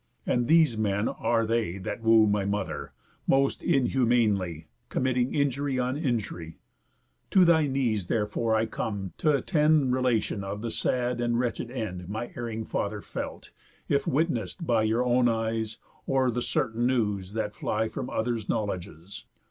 And these men are they That woo my mother, most inhumanly Committing injury on injury. To thy knees therefore I am come, t' attend Relation of the sad and wretched end My erring father felt, if witness'd by Your own eyes, or the certain news that fly From others' knowledges.